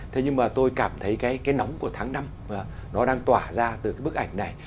thế nhưng mà tôi cảm thấy cái nóng của tháng năm nó đang tỏa ra từ cái bức ảnh này